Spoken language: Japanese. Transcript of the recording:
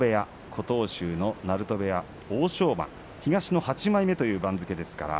琴欧州の鳴戸部屋の欧勝馬東の８枚目という番付です。